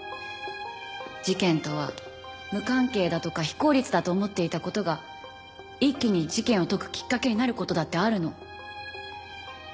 事件とは無関係だとか非効率だと思っていた事が一気に事件を解くきっかけになる事だってあるの。